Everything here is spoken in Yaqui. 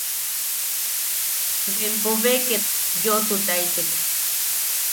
Bempo be ket yoʼotutaitek.